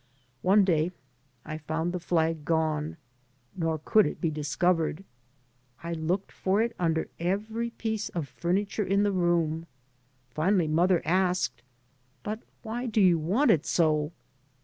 One day I found the flag gone, nor could it be discovered. I looked for it under every piece of furniture in the room. Finally mother asked, " But why do you want it so